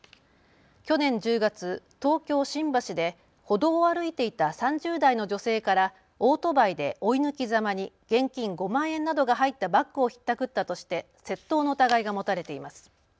去年１０月、東京新橋で歩道を歩いていた３０代の女性からオートバイで追い抜きざまに現金５万円などが入ったバッグをひったくったとして窃盗の疑いが持たれています。